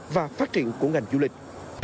và phát triển của ngành du lịch